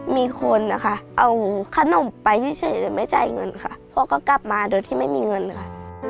มีคนนะคะเอาขนมไปเฉยแต่ไม่จ่ายเงินค่ะพ่อก็กลับมาโดยที่ไม่มีเงินค่ะ